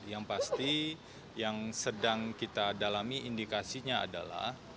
yang pasti yang sedang kita dalami indikasinya adalah